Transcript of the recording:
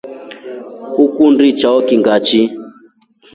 Ukundi chao kii ngachi.